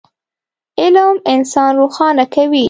علم انسان روښانه کوي.